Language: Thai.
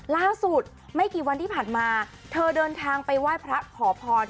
ล่าสุดไม่กี่วันที่ผ่านมาเธอเดินทางไปไหว้พระขอพร